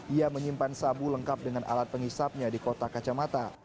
ia menyimpan sabu lengkap dengan alat pengisapnya di kota kacamata